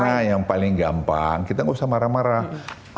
nah yang paling gampang kita nggak usah marah marah